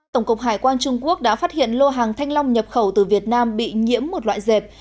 tổng cục hải quan trung quốc đã phát hiện lô hàng thanh long nhập khẩu từ việt nam bị nhiễm một loại dẹp